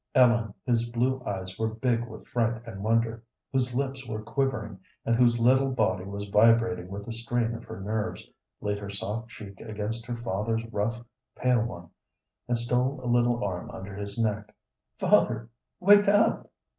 Ellen, whose blue eyes were big with fright and wonder, whose lips were quivering, and whose little body was vibrating with the strain of her nerves, laid her soft cheek against her father's rough, pale one, and stole a little arm under his neck. "Father, wake up!"